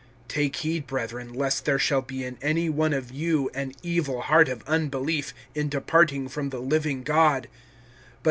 (12)Take heed, brethren, lest there shall be in any one of you an evil heart of unbelief, in departing from the living God.